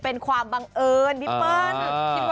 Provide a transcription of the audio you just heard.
เป็นความบังเอิญพี่เปิ้ลคิดว่าเค้าก็เจอกัน